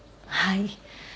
はい。